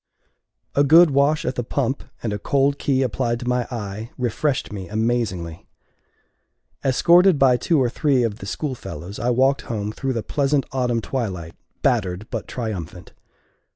A good wash at the pump, and a cold key applied to my eye, refreshed me amazingly. Escorted by two or three of the schoolfellows, I walked home through the pleasant autumn twilight, battered but triumphant.